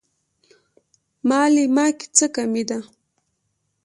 مالې ما کې څه کمی دی.